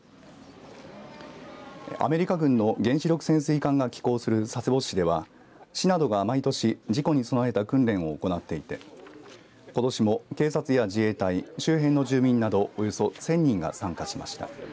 アメリカ軍の原子力潜水艦が寄港する佐世保市では市などが毎年事故に備えた訓練を行っていてことしも警察や自衛隊周辺の住民などおよそ１０００人が参加しました。